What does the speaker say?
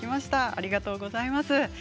ありがとうございます。